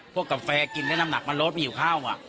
พวกกาแฟกินได้น้ำหนักเรามันลดผิวข้าวอ่ะ